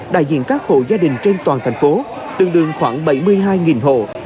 đại diện các hộ gia đình trên toàn thành phố tương đương khoảng bảy mươi hai hộ